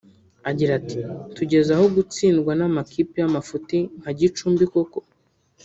Agira ati “Tugeze aho gutsindwa n’amakipe y’amafuti nka Gicumbi koko